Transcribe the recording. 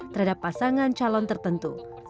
terhadap pasangan calon tertentu